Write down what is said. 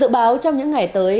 dự báo trong những ngày tới